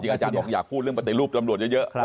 อาจารย์บอกอยากพูดเรื่องปฏิรูปตำรวจเยอะ